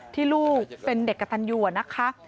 ที่ลูกเป็นเด็กกระตันอยู่นะคะ